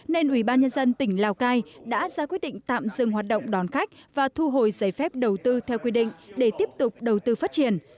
nên ủy ban nhân dân tỉnh lào cai đã ra quyết định tạm dừng hoạt động đón khách và thu hồi giấy phép đầu tư theo quy định để tiếp tục đầu tư phát triển